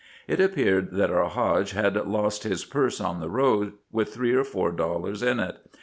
It appeared that our Hadge had lost his purse on the road, with three or four dollars in it.